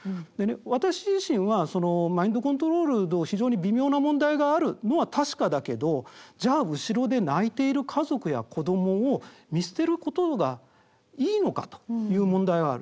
私自身はマインドコントロールの非常に微妙な問題があるのは確かだけどじゃあ後ろで泣いている家族や子どもを見捨てることがいいのかという問題はある。